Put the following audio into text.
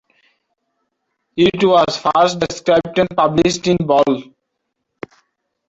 It was first described and published in Bol.